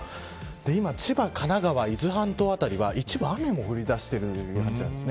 今、千葉、神奈川伊豆半島辺りは一部、雨も降り出している所があるんです。